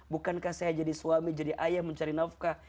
bukankah saya jadi suami jadi ayah mencari nafkah